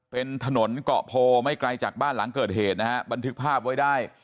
เป็นถนนเกาะโพไม่ไกลจากบ้านหลังเกิดเหตุนะฮะบันทึกภาพไว้ได้